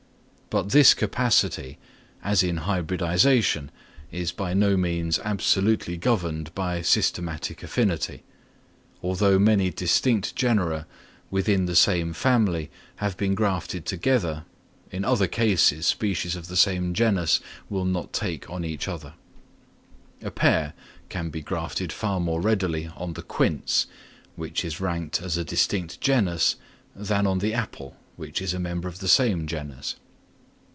But this capacity, as in hybridisation, is by no means absolutely governed by systematic affinity. Although many distinct genera within the same family have been grafted together, in other cases species of the same genus will not take on each other. The pear can be grafted far more readily on the quince, which is ranked as a distinct genus, than on the apple, which is a member of the same genus.